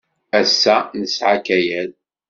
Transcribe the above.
Ass-a, nesɛa akayad.